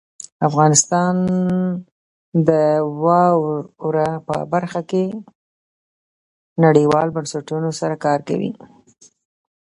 افغانستان د واوره په برخه کې نړیوالو بنسټونو سره کار کوي.